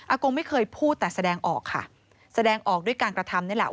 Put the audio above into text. กงไม่เคยพูดแต่แสดงออกค่ะแสดงออกด้วยการกระทำนี่แหละ